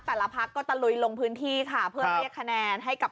พักก็ตะลุยลงพื้นที่ค่ะเพื่อเรียกคะแนนให้กับ